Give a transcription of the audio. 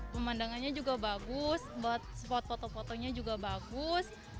pemandangannya juga bagus buat spot foto fotonya juga bagus